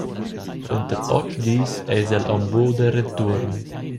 Suenter otg dis eis el aunc buca da retuorn.